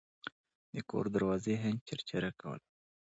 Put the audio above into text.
د کور دروازې هینج چرچره کوله.